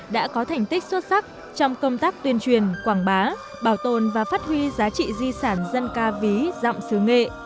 đã có thành tích xuất sắc trong công tác tuyên truyền quảng bá bảo tồn và phát huy giá trị di sản dân ca ví dọng sứ nghệ